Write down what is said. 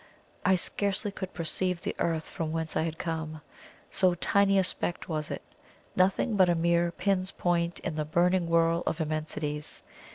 I scarcely could perceive the Earth from whence I had come so tiny a speck was it nothing but a mere pin's point in the burning whirl of immensities.